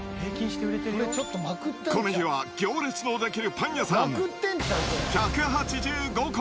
この日は行列の出来るパン屋さん、１８５個。